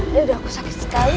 dari hari dimana aku terluka